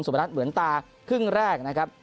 นัทเหมือนตาครึ่งแรกนะครับ